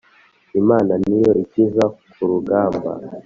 Imana niyo ikiza ku rugamba